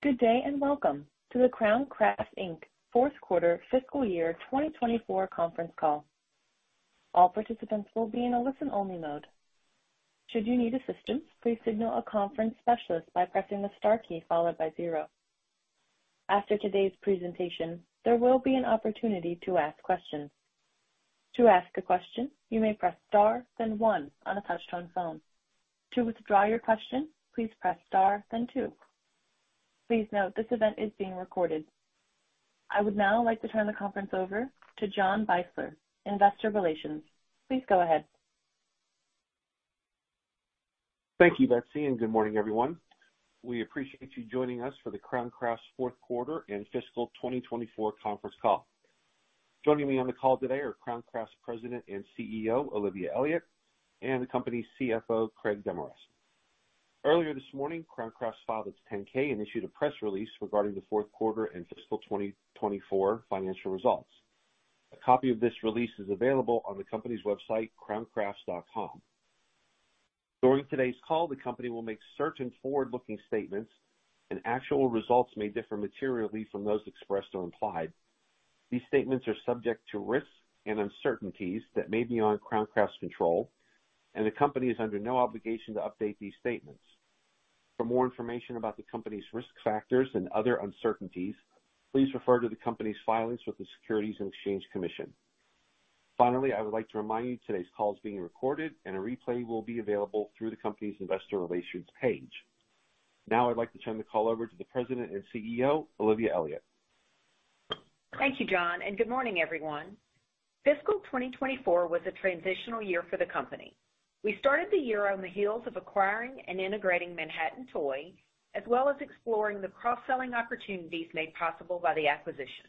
Good day and welcome to the Crown Crafts, Inc. Fourth Quarter Fiscal Year 2024 Conference Call. All participants will be in a listen-only mode. Should you need assistance, please signal a conference specialist by pressing the star key followed by zero. After today's presentation, there will be an opportunity to ask questions. To ask a question, you may press star, then one on a touch-tone phone. To withdraw your question, please press star, then two. Please note this event is being recorded. I would now like to turn the conference over to John Beisler, Investor Relations. Please go ahead. Thank you, Betsy, and good morning, everyone. We appreciate you joining us for the Crown Crafts Fourth Quarter and Fiscal 2024 Conference Call. Joining me on the call today are Crown Crafts President and CEO, Olivia Elliott, and the company's CFO, Craig Demarest. Earlier this morning, Crown Crafts filed its 10-K and issued a press release regarding the Fourth Quarter and Fiscal 2024 financial results. A copy of this release is available on the company's website, crowncrafts.com. During today's call, the company will make certain forward-looking statements, and actual results may differ materially from those expressed or implied. These statements are subject to risks and uncertainties that may be beyond Crown Crafts' control, and the company is under no obligation to update these statements. For more information about the company's risk factors and other uncertainties, please refer to the company's filings with the Securities and Exchange Commission. Finally, I would like to remind you today's call is being recorded, and a replay will be available through the company's Investor Relations page. Now, I'd like to turn the call over to the President and CEO, Olivia Elliott. Thank you, John, and good morning, everyone. Fiscal 2024 was a transitional year for the company. We started the year on the heels of acquiring and integrating Manhattan Toy, as well as exploring the cross-selling opportunities made possible by the acquisition.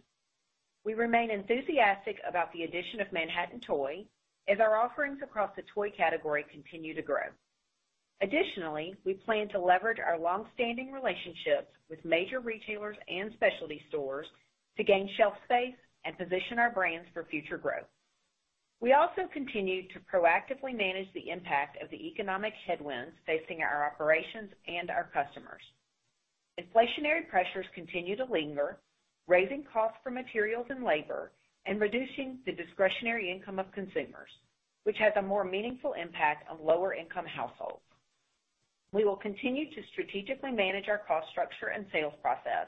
We remain enthusiastic about the addition of Manhattan Toy, as our offerings across the toy category continue to grow. Additionally, we plan to leverage our long-standing relationships with major retailers and specialty stores to gain shelf space and position our brands for future growth. We also continue to proactively manage the impact of the economic headwinds facing our operations and our customers. Inflationary pressures continue to linger, raising costs for materials and labor and reducing the discretionary income of consumers, which has a more meaningful impact on lower-income households. We will continue to strategically manage our cost structure and sales process,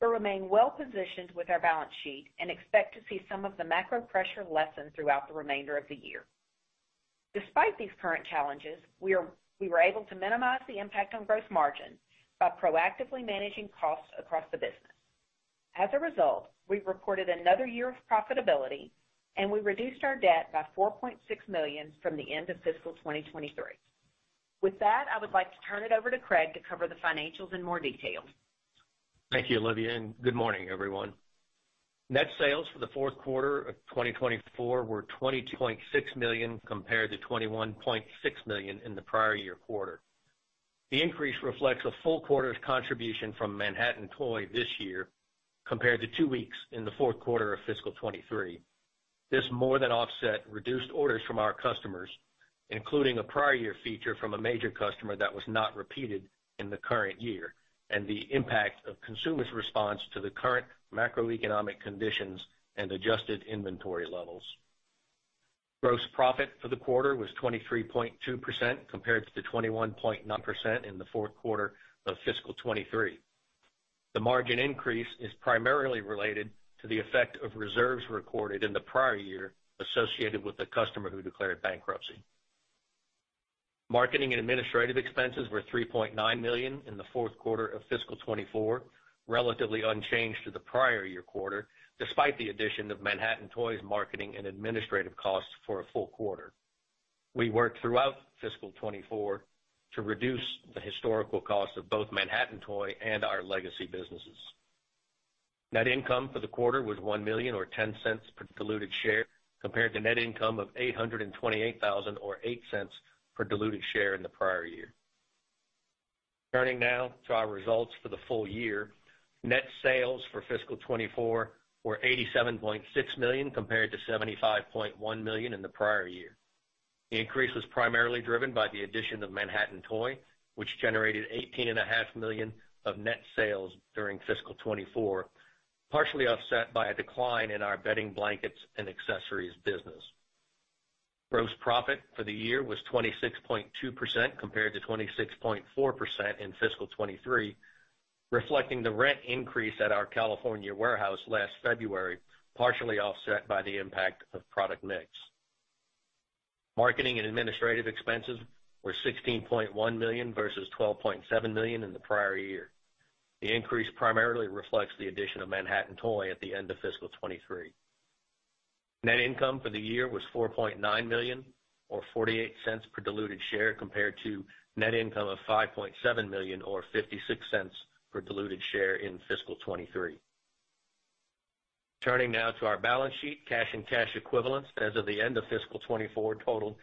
but remain well-positioned with our balance sheet and expect to see some of the macro pressure lessen throughout the remainder of the year. Despite these current challenges, we were able to minimize the impact on gross margins by proactively managing costs across the business. As a result, we reported another year of profitability, and we reduced our debt by $4.6 million from the end of Fiscal 2023. With that, I would like to turn it over to Craig to cover the financials in more detail. Thank you, Olivia, and good morning, everyone. Net sales for the Fourth Quarter of 2024 were $22.6 million compared to $21.6 million in the prior year quarter. The increase reflects a full quarter's contribution from Manhattan Toy this year compared to two weeks in the Fourth Quarter of Fiscal 2023. This more than offset reduced orders from our customers, including a prior year feature from a major customer that was not repeated in the current year, and the impact of consumers' response to the current macroeconomic conditions and adjusted inventory levels. Gross profit for the quarter was 23.2% compared to the 21.9% in the Fourth Quarter of Fiscal 2023. The margin increase is primarily related to the effect of reserves recorded in the prior year associated with the customer who declared bankruptcy. Marketing and administrative expenses were $3.9 million in the Fourth Quarter of Fiscal 2024, relatively unchanged to the prior year quarter, despite the addition of Manhattan Toy's marketing and administrative costs for a full quarter. We worked throughout Fiscal 2024 to reduce the historical cost of both Manhattan Toy and our Legacy businesses. Net income for the quarter was $1 million or $0.10 per diluted share compared to net income of $828,000 or $0.08 per diluted share in the prior year. Turning now to our results for the full year, net sales for Fiscal 2024 were $87.6 million compared to $75.1 million in the prior year. The increase was primarily driven by the addition of Manhattan Toy, which generated $18.5 million of net sales during Fiscal 2024, partially offset by a decline in our bedding blankets and accessories business. Gross profit for the year was 26.2% compared to 26.4% in Fiscal 2023, reflecting the rent increase at our California warehouse last February, partially offset by the impact of product mix. Marketing and administrative expenses were $16.1 million versus $12.7 million in the prior year. The increase primarily reflects the addition of Manhattan Toy at the end of Fiscal 2023. Net income for the year was $4.9 million, or $0.48 per diluted share, compared to net income of $5.7 million, or $0.56 per diluted share in Fiscal 2023. Turning now to our balance sheet, cash and cash equivalents as of the end of Fiscal 2024 totaled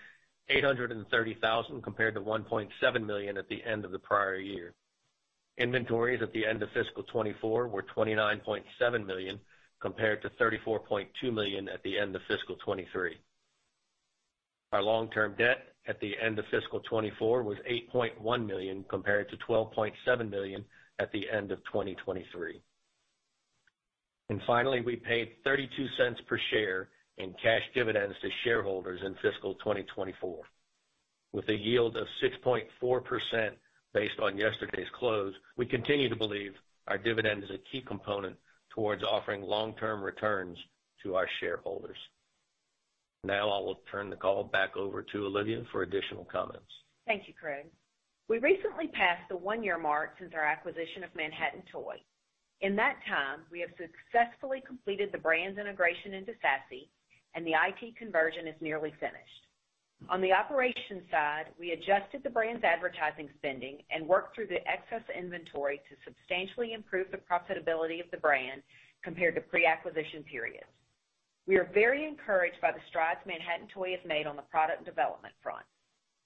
$830,000 compared to $1.7 million at the end of the prior year. Inventories at the end of Fiscal 2024 were $29.7 million compared to $34.2 million at the end of Fiscal 2023. Our long-term debt at the end of Fiscal 2024 was $8.1 million compared to $12.7 million at the end of 2023. Finally, we paid $0.32 per share in cash dividends to shareholders in Fiscal 2024. With a yield of 6.4% based on yesterday's close, we continue to believe our dividend is a key component towards offering long-term returns to our shareholders. Now, I will turn the call back over to Olivia for additional comments. Thank you, Craig. We recently passed the one-year mark since our acquisition of Manhattan Toy. In that time, we have successfully completed the brand's integration into Sassy, and the IT conversion is nearly finished. On the operations side, we adjusted the brand's advertising spending and worked through the excess inventory to substantially improve the profitability of the brand compared to pre-acquisition periods. We are very encouraged by the strides Manhattan Toy has made on the product development front.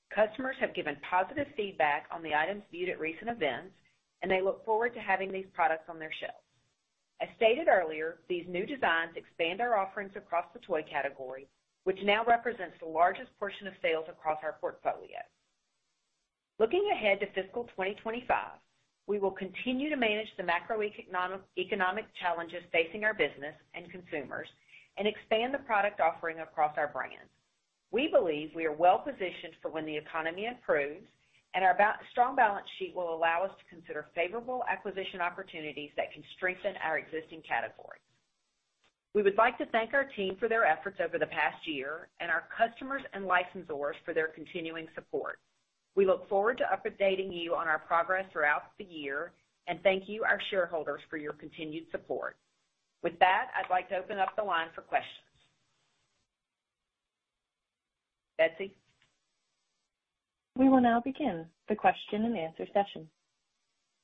Customers have given positive feedback on the items viewed at recent events, and they look forward to having these products on their shelves. As stated earlier, these new designs expand our offerings across the toy category, which now represents the largest portion of sales across our portfolio. Looking ahead to Fiscal 2025, we will continue to manage the macroeconomic challenges facing our business and consumers and expand the product offering across our brand. We believe we are well-positioned for when the economy improves, and our strong balance sheet will allow us to consider favorable acquisition opportunities that can strengthen our existing category. We would like to thank our team for their efforts over the past year and our customers and licensors for their continuing support. We look forward to updating you on our progress throughout the year, and thank you, our shareholders, for your continued support. With that, I'd like to open up the line for questions. Betsy. We will now begin the question-and-answer session.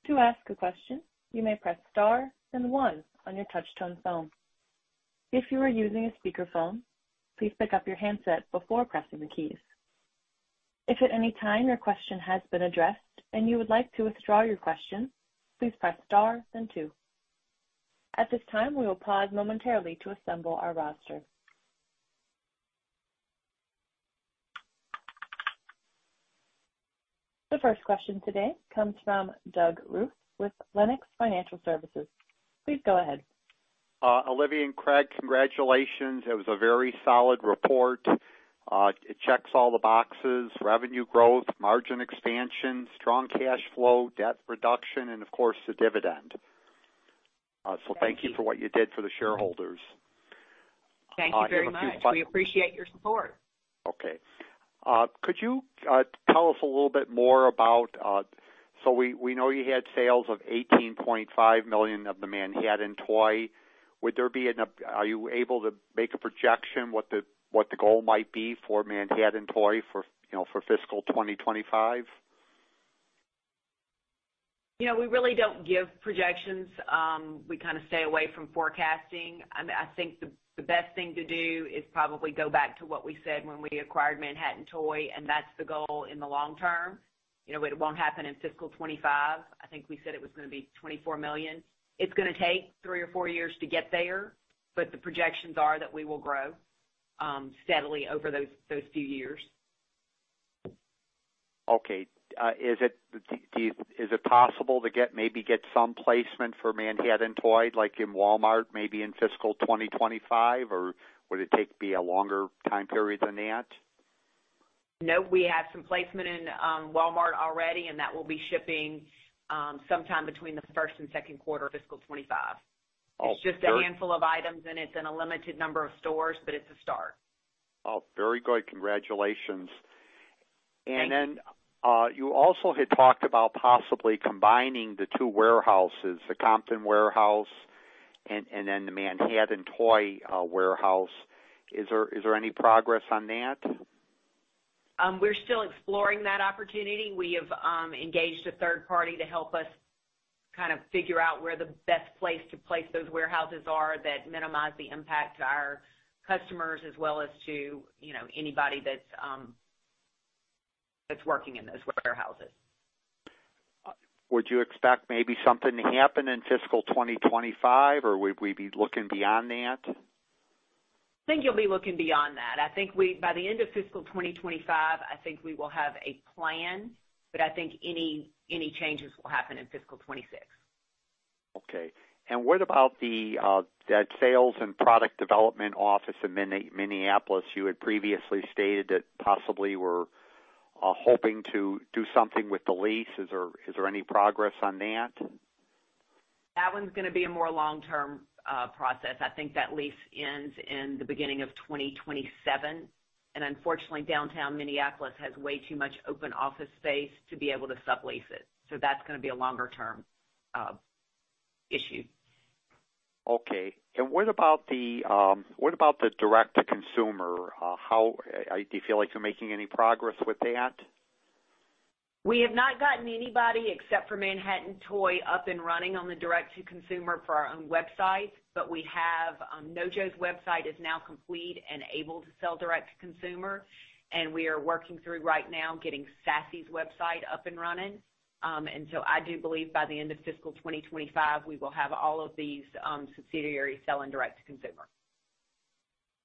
To ask a question, you may press star then one on your touch-tone phone. If you are using a speakerphone, please pick up your handset before pressing the keys. If at any time your question has been addressed and you would like to withdraw your question, please press star then two. At this time, we will pause momentarily to assemble our roster. The first question today comes from Doug Ruth with Lenox Financial Services. Please go ahead. Olivia and Craig, congratulations. It was a very solid report. It checks all the boxes: revenue growth, margin expansion, strong cash flow, debt reduction, and of course, the dividend. So thank you for what you did for the shareholders. Thank you very much. We appreciate your support. Okay. Could you tell us a little bit more about, so we know you had sales of $18.5 million of the Manhattan Toy. Would there be an, are you able to make a projection what the goal might be for Manhattan Toy for Fiscal 2025? We really don't give projections. We kind of stay away from forecasting. I think the best thing to do is probably go back to what we said when we acquired Manhattan Toy, and that's the goal in the long term. It won't happen in Fiscal 2025. I think we said it was going to be $24 million. It's going to take three or four years to get there, but the projections are that we will grow steadily over those few years. Okay. Is it possible to maybe get some placement for Manhattan Toy, like in Walmart, maybe in Fiscal 2025, or would it take a longer time period than that? No, we have some placement in Walmart already, and that will be shipping sometime between the first and second quarter of Fiscal 2025. It's just a handful of items, and it's in a limited number of stores, but it's a start. Oh, very good. Congratulations. And then you also had talked about possibly combining the two warehouses, the Compton warehouse and then the Manhattan Toy warehouse. Is there any progress on that? We're still exploring that opportunity. We have engaged a third party to help us kind of figure out where the best place to place those warehouses are that minimize the impact to our customers as well as to anybody that's working in those warehouses. Would you expect maybe something to happen in Fiscal 2025, or would we be looking beyond that? I think you'll be looking beyond that. I think by the end of Fiscal 2025, I think we will have a plan, but I think any changes will happen in Fiscal 2026. Okay. And what about that sales and product development office in Minneapolis? You had previously stated that possibly were hoping to do something with the lease. Is there any progress on that? That one's going to be a more long-term process. I think that lease ends in the beginning of 2027. Unfortunately, downtown Minneapolis has way too much open office space to be able to sublease it. That's going to be a longer-term issue. Okay. What about the direct-to-consumer? Do you feel like you're making any progress with that? We have not gotten anybody except for Manhattan Toy up and running on the direct-to-consumer for our own website, but we have, NoJo's website is now complete and able to sell direct-to-consumer, and we are working through right now getting Sassy's website up and running. And so I do believe by the end of Fiscal 2025, we will have all of these subsidiaries selling direct-to-consumer.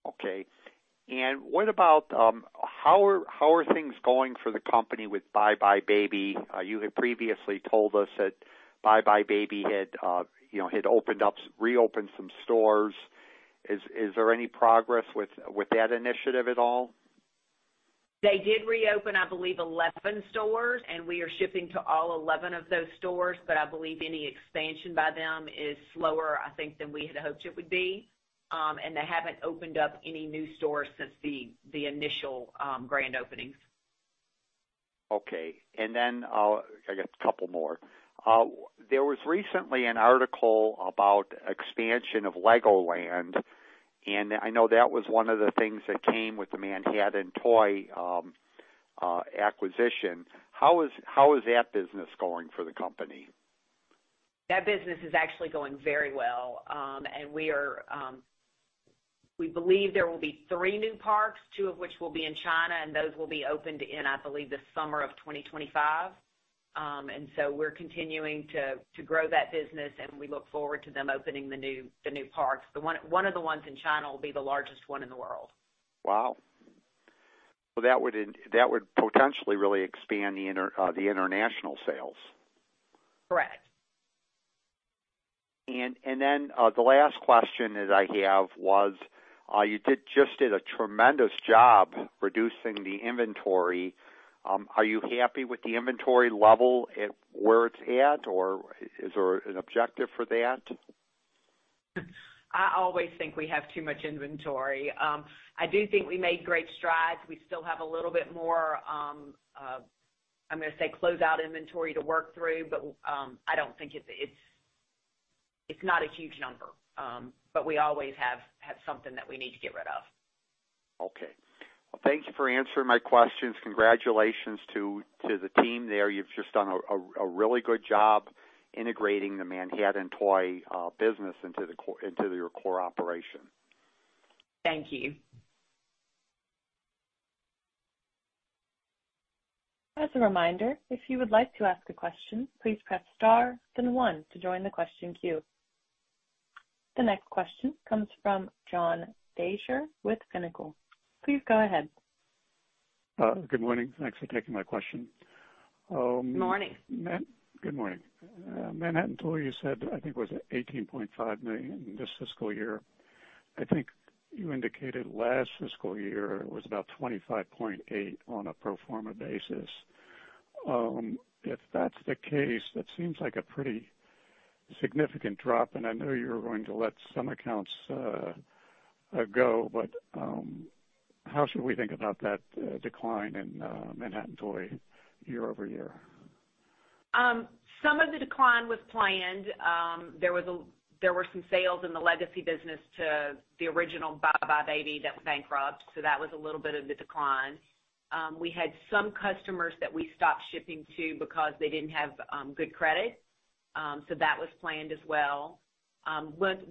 Okay. How are things going for the company with buybuy BABY? You had previously told us that buybuy BABY had reopened some stores. Is there any progress with that initiative at all? They did reopen, I believe, 11 stores, and we are shipping to all 11 of those stores, but I believe any expansion by them is slower, I think, than we had hoped it would be. And they haven't opened up any new stores since the initial grand openings. Okay. And then I got a couple more. There was recently an article about expansion of Legoland, and I know that was one of the things that came with the Manhattan Toy acquisition. How is that business going for the company? That business is actually going very well, and we believe there will be three new parks, two of which will be in China, and those will be opened in, I believe, the summer of 2025. And so we're continuing to grow that business, and we look forward to them opening the new parks. One of the ones in China will be the largest one in the world. Wow. Well, that would potentially really expand the international sales. Correct. And then the last question that I have was you just did a tremendous job reducing the inventory. Are you happy with the inventory level at where it's at, or is there an objective for that? I always think we have too much inventory. I do think we made great strides. We still have a little bit more, I'm going to say, closeout inventory to work through, but I don't think it's not a huge number. But we always have something that we need to get rid of. Okay. Well, thank you for answering my questions. Congratulations to the team there. You've just done a really good job integrating the Manhattan Toy business into your core operation. Thank you. As a reminder, if you would like to ask a question, please press star then one to join the question queue. The next question comes from John Deysher with Pinnacle. Please go ahead. Good morning. Thanks for taking my question. Good morning. Good morning. Manhattan Toy, you said, I think, was at $18.5 million this fiscal year. I think you indicated last fiscal year was about 25.8 on a pro forma basis. If that's the case, that seems like a pretty significant drop, and I know you're going to let some accounts go, but how should we think about that decline in Manhattan Toy year-over-year? Some of the decline was planned. There were some sales in the Legacy business to the original buybuy BABY that bankrupted, so that was a little bit of the decline. We had some customers that we stopped shipping to because they didn't have good credit, so that was planned as well.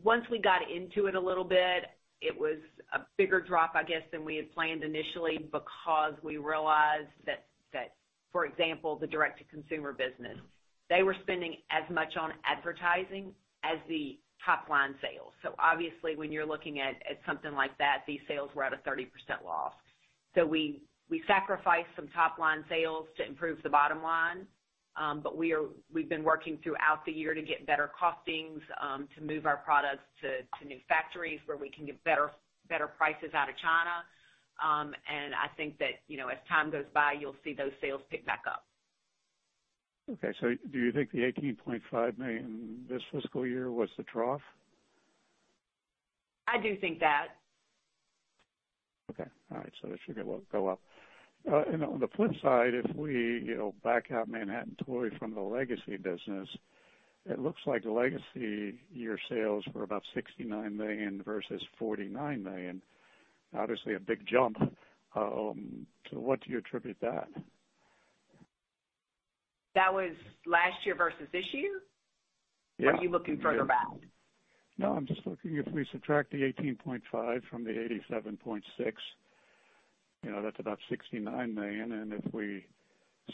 Once we got into it a little bit, it was a bigger drop, I guess, than we had planned initially because we realized that, for example, the direct-to-consumer business, they were spending as much on advertising as the top-line sales. So obviously, when you're looking at something like that, these sales were at a 30% loss. So we sacrificed some top-line sales to improve the bottom line, but we've been working throughout the year to get better costings to move our products to new factories where we can get better prices out of China. I think that as time goes by, you'll see those sales pick back up. Okay. So do you think the $18.5 million this fiscal year was the trough? I do think that. Okay. All right. That should go up. On the flip side, if we back out Manhattan Toy from the Legacy business, it looks like legacy year sales were about $69 million versus $49 million. Obviously, a big jump. To what do you attribute that? That was last year versus this year? Yeah. Or are you looking further back? No, I'm just looking if we subtract the $18.5 from the $87.6, that's about $69 million. And if we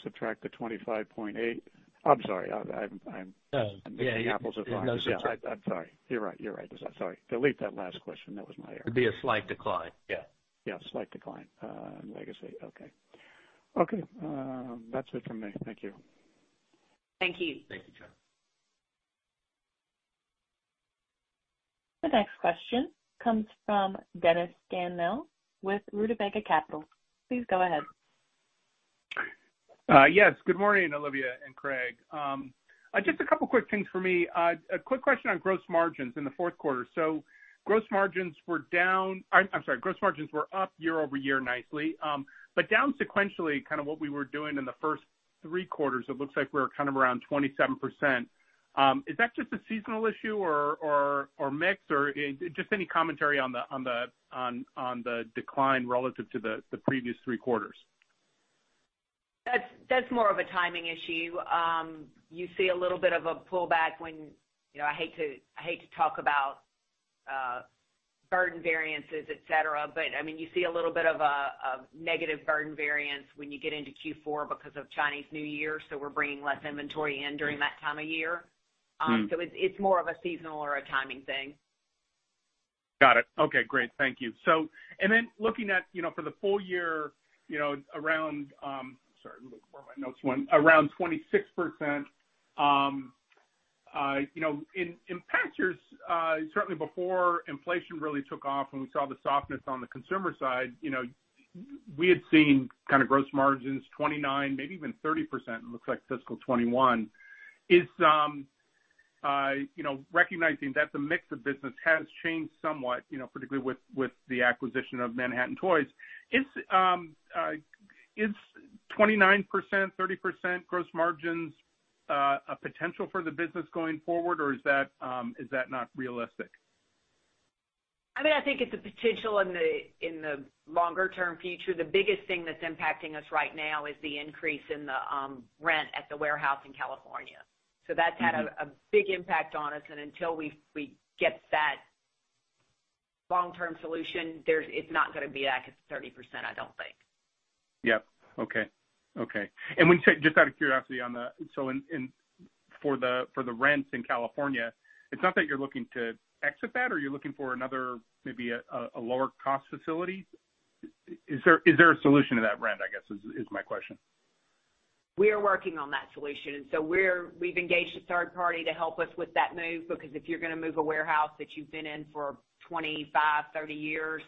subtract the $25.8. I'm sorry. I'm mixing apples with oranges. I'm sorry. You're right. You're right. Sorry. Delete that last question. That was my error. It'd be a slight decline. Yeah. Yeah. Slight decline in legacy. Okay. Okay. That's it from me. Thank you. Thank you. Thank you, John. The next question comes from Dennis Scannell with Rutabaga Capital. Please go ahead. Yes. Good morning, Olivia and Craig. Just a couple of quick things for me. A quick question on gross margins in the fourth quarter. So gross margins were down. I'm sorry. Gross margins were up year-over-year nicely, but down sequentially. Kind of what we were doing in the first three quarters, it looks like we were kind of around 27%. Is that just a seasonal issue or mix? Or just any commentary on the decline relative to the previous three quarters? That's more of a timing issue. You see a little bit of a pullback when I hate to talk about burden variances, etc., but I mean, you see a little bit of a negative burden variance when you get into Q4 because of Chinese New Year. So we're bringing less inventory in during that time of year. So it's more of a seasonal or a timing thing. Got it. Okay. Great. Thank you. And then looking at for the full year around 26%. In past years, certainly before inflation really took off and we saw the softness on the consumer side, we had seen kind of gross margins 29%, maybe even 30%, it looks like fiscal 2021. Recognizing that the mix of business has changed somewhat, particularly with the acquisition of Manhattan Toy, is 29%-30% gross margins a potential for the business going forward, or is that not realistic? I mean, I think it's a potential in the longer-term future. The biggest thing that's impacting us right now is the increase in the rent at the warehouse in California. So that's had a big impact on us. And until we get that long-term solution, it's not going to be that 30%, I don't think. Yep. Okay. Okay. And just out of curiosity on that, so for the rents in California, it's not that you're looking to exit that, or you're looking for another maybe a lower-cost facility? Is there a solution to that rent, I guess, is my question? We are working on that solution. And so we've engaged a third party to help us with that move because if you're going to move a warehouse that you've been in for 25, 30 years,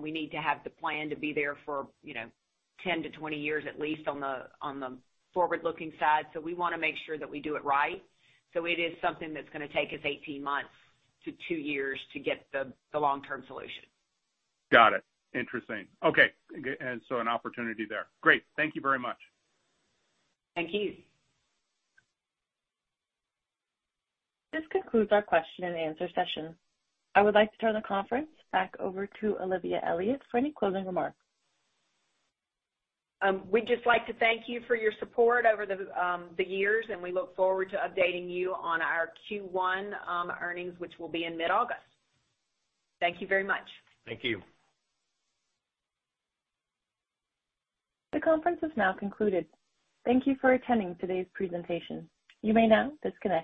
we need to have the plan to be there for 10-20 years at least on the forward-looking side. So we want to make sure that we do it right. So it is something that's going to take us 18 months to 2 years to get the long-term solution. Got it. Interesting. Okay. And so an opportunity there. Great. Thank you very much. Thank you. This concludes our question-and-answer session. I would like to turn the conference back over to Olivia Elliott for any closing remarks. We'd just like to thank you for your support over the years, and we look forward to updating you on our Q1 earnings, which will be in mid-August. Thank you very much. Thank you. The conference has now concluded. Thank you for attending today's presentation. You may now disconnect.